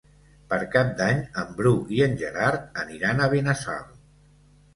Per Cap d'Any en Bru i en Gerard aniran a Benassal.